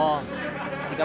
yaudah ketemu di tengah